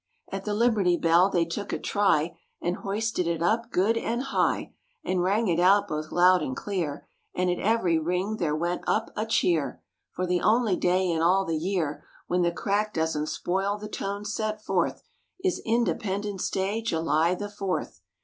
At the Liberty Bell they took a try , And hoisted it up good and high And rang it out both loud and clear, And at every ring there went up a cheer; For the only day in all the year When the crack doesn't spoil the tone sent forth Is Independence Day, July the Fourth.